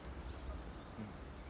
うん。